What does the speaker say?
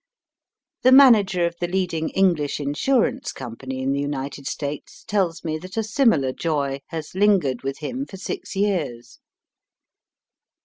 The manager of the leading EngHsh Insurance Com pany in the United States tells me that a similar joy has lingered with him for six years.